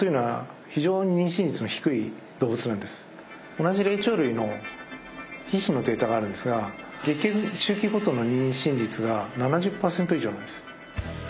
同じ霊長類のヒヒのデータがあるんですが月経周期ごとの妊娠率が７０％以上なんです。